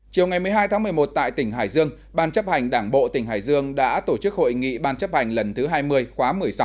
chiều ngày một mươi hai tháng một mươi một tại tỉnh hải dương ban chấp hành đảng bộ tỉnh hải dương đã tổ chức hội nghị ban chấp hành lần thứ hai mươi khóa một mươi sáu